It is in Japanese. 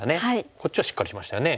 こっちはしっかりしましたね。